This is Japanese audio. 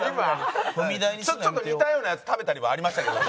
ちょっと似たようなやつ食べたりはありましたけど。